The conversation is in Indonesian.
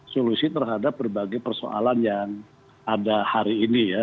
solusi terhadap berbagai persoalan yang ada hari ini ya